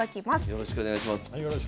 よろしくお願いします。